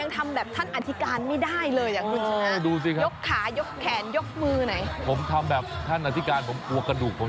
แต่นะคุณอะคุณยังทำแบบท่านอธิการไม่ได้เลยอะคุณ